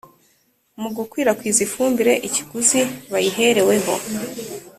mu gukwirakwiza ifumbire, ikiguzi bayihereweho